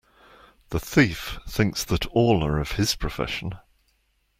The thief thinks that all are of his profession.